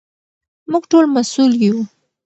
موږ ټول مسوول یو.